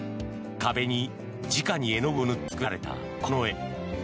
壁にじかに絵の具を塗って作られたこの絵。